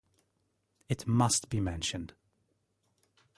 It must be mentioned.